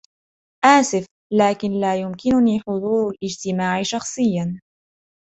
آسف، لكن لا يمكنني حضور الإجتماع شخصيا.